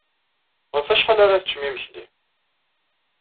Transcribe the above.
Ɣef wacḥal ara teččem imekli?